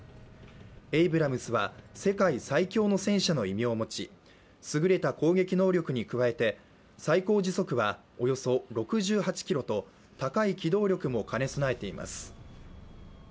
エイブラムスは世界最強の戦車の異名を持ち優れた攻撃能力に加えて最高時速はおよそ６８キロと高い機動力も兼ね備えています。